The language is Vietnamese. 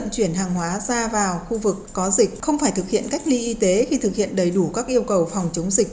chuyển hàng hóa ra vào khu vực có dịch không phải thực hiện cách ly y tế khi thực hiện đầy đủ các yêu cầu phòng chống dịch